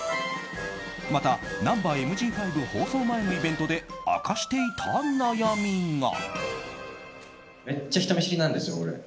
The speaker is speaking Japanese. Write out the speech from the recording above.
また、「ナンバＭＧ５」放送前のイベントで明かしていた悩みが。